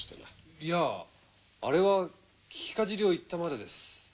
いやぁあれは聞きかじりを言ったまでです。